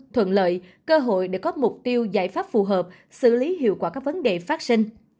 thuận lợi cơ hội để có mục tiêu giải pháp phù hợp xử lý hiệu quả các vấn đề phát sinh